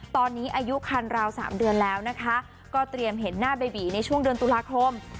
ตอนนี้อายุคันราว๓เดือนแล้วนะคะก็เตรียมเห็นหน้าเบบีในช่วงเดือนตุลาคม